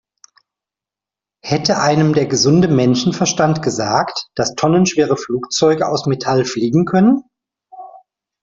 Hätte einem der gesunde Menschenverstand gesagt, dass tonnenschwere Flugzeuge aus Metall fliegen können?